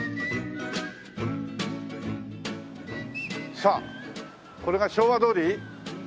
さあこれが昭和通り？